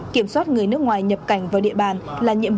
kiểm soát người nước ngoài nhập cảnh vào địa bàn